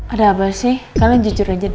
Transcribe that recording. ada apa sih kalian jujur aja deh